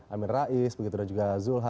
amin rais begitu dan juga zulhah zulkifli hasan